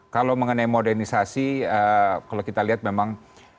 kalau mengenai modernisasi kalau kita lihat memang